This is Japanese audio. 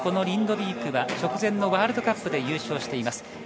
リンドビークは直前のワールドカップで優勝しています。